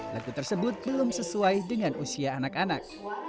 lagu tersebut belum sesuai dengan usia anak anak